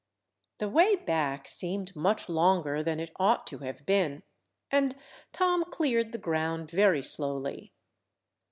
The way back seemed much longer than it ought to have been, and Tom cleared the ground very slowly.